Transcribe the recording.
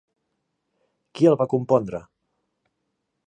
Qui el va compondre?